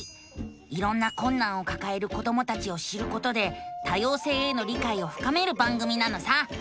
いろんなこんなんをかかえる子どもたちを知ることで多様性への理解をふかめる番組なのさ！